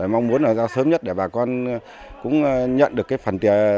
mong muốn là ra sớm nhất để bà con cũng nhận được phần tiền